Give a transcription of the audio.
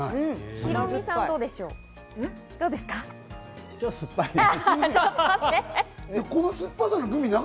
ヒロミさん、どうですか？